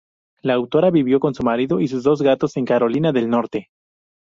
La autora vivió con su marido y sus dos gatos en Carolina del norte.